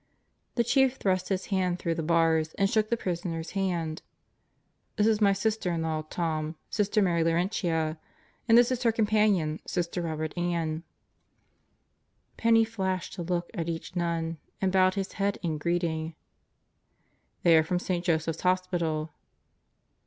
The Chief thrust his hand through the bars and shook the prisoner's hand. "This is my sister in law, Tom, Sister Mary Laurentia. And this is her companion, Sister Robert Ann." Penney flashed a look at each nun and bowed his head in greeting. "They are from St. Joseph's Hospital."